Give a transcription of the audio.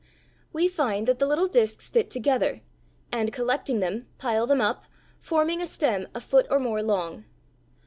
We find that the little disks fit together, and collecting them, pile them up, forming a stem a foot or more long.